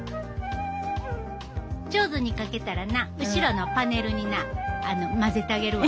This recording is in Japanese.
上手に描けたらな後ろのパネルになまぜたげるわ。